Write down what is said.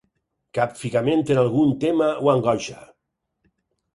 Capficament en algun tema o angoixa.